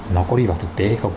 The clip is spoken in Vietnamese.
nó có đi vào thực tế hay không